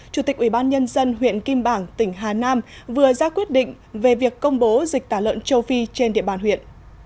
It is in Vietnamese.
chủ tịch ubnd huyện kim bảng tỉnh hà nam vừa ra quyết định về việc công bố dịch tả lợn châu phi trên địa bàn huyện